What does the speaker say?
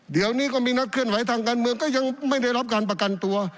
เดี๋ยวนี้ก็มีนักเคลื่อนไหวทางการเมืองก็ยังไม่ได้รับการประกันตัว